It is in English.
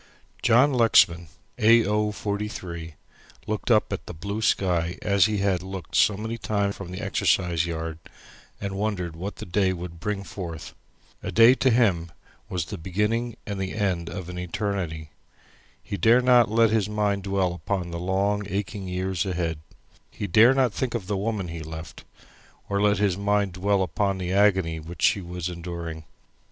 John Lexman A. O. 43 looked up at the blue sky as he had looked so many times from the exercise yard, and wondered what the day would bring forth. A day to him was the beginning and the end of an eternity. He dare not let his mind dwell upon the long aching years ahead. He dare not think of the woman he left, or let his mind dwell upon the agony which she was enduring.